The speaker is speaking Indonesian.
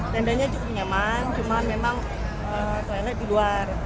tendanya cukup nyaman cuman memang soalnya di luar